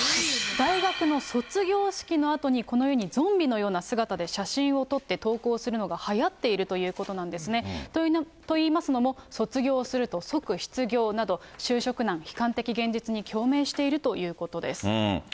大学の卒業式のあとに、このようにゾンビのような姿で写真を撮って投稿するのがはやっているということなんですね。といいますのも、卒業すると即失業など、就職難、悲観的現実に共鳴しているということです。